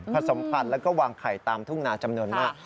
สมพันธ์แล้วก็วางไข่ตามทุ่งนาจำนวนมาก